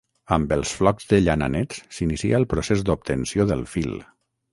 Amb els flocs de llana nets s'inicia el procés d'obtenció del fil.